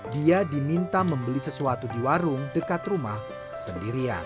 dia diminta membeli sesuatu di warung dekat rumah sendirian